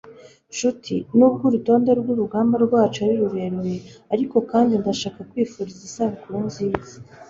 nshuti, nubwo urutonde rwurugamba rwacu ari rurerure, ariko kandi ndashaka kwifuriza isabukuru nziza